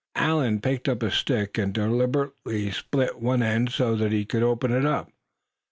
Allan picked up a stick, and deliberately split one end so that he could open it up.